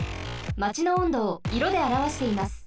マチの温度をいろであらわしています。